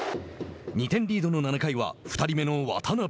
２点リードの７回は２人目の渡邉。